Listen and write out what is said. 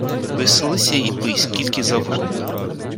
Веселися і пий скільки завгодно!